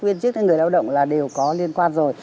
viên chức hay người lao động là đều có liên quan rồi